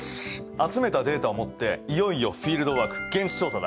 集めたデータを持っていよいよフィールドワーク現地調査だ。